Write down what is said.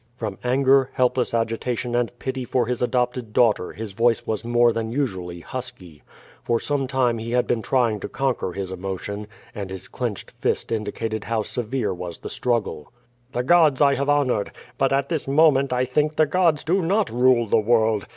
From anger, helpless agitation and pity for his adopted daughter his voice was more than usually husky. For some time he had been trying to conquer his emotion, and his clenched fist indicated how severe was the struggle. "The gods I have honored. But at this moment I think the gods do not rule the world.